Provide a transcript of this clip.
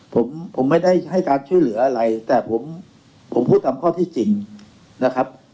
ผมผมไม่ได้ให้การช่วยเหลืออะไรแต่ผมผมพูดตามข้อที่จริงนะครับ